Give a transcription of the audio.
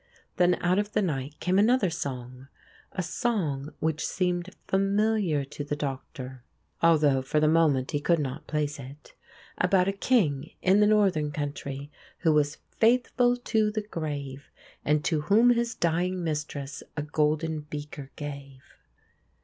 Then out of the night came another song a song which seemed familiar to the Doctor, although for the moment he could not place it, about a King in the Northern Country who was faithful to the grave and to whom his dying mistress a golden beaker gave.